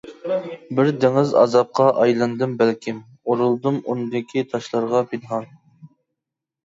بىر دېڭىز ئازابقا ئايلاندىم بەلكىم، ئۇرۇلدۇم ئۇندىكى تاشلارغا پىنھان.